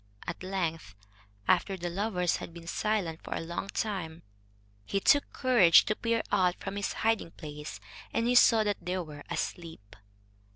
At length, after the lovers had been silent for a long time, he took courage to peer out from his hiding place, and he saw that they were asleep.